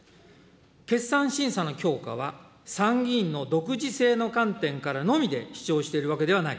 決算審査の強化は参議院の独自性の観点からのみで主張しているわけではない。